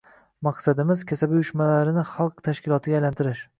Maqsadimiz – kasaba uyushmalarini xalq tashkilotiga aylantirish